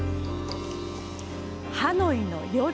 ハノイの夜。